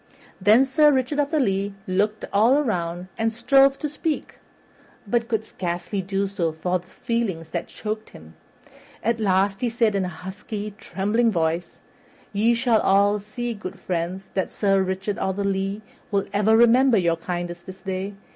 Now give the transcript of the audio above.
Then Sir Richard of the Lea looked all around and strove to speak, but could scarcely do so for the feelings that choked him; at last he said in a husky, trembling voice, "Ye shall all see, good friends, that Sir Richard o' the Lea will ever remember your kindness this day.